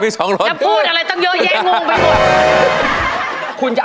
มีสองรถ